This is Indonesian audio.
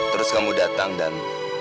terus kamu datang dan